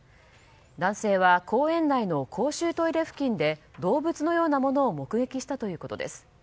男性は公園内の公衆トイレ付近で動物のようなものを目撃したということです。